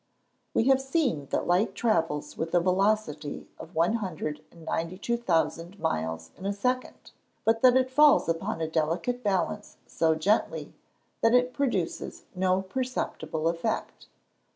We have seen that light travels with a velocity of 192,000 miles in a second, but that it falls upon a delicate balance so gently, that it produces no perceptible effect.